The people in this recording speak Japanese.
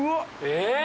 えっ？